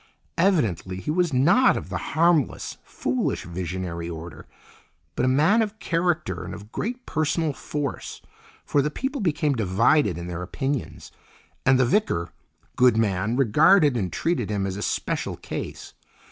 Evidently, he was not of the harmless, foolish, visionary order, but a man of character and of great personal force, for the people became divided in their opinions, and the vicar, good man, regarded and treated him as a "special case."